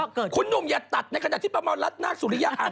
ก็เกิดคุณหนุ่มอย่าตัดในขณะที่ประมาณรัฐนาศุริยะอ่านข้าว